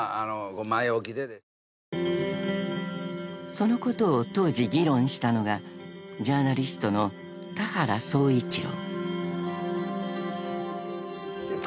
［そのことを当時議論したのがジャーナリストの田原総一朗］